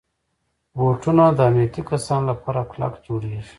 بوټونه د امنیتي کسانو لپاره کلک جوړېږي.